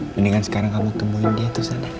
mendingan sekarang kamu temuin dia tuh sana